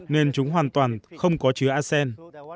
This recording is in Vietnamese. nên chúng hoàn toàn không có chứa arsen